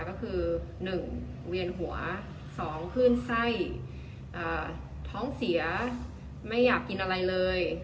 ก็คือ๑เวียนหัว๒ขึ้นไส้ท้องเสียไม่อยากกินอะไรเลย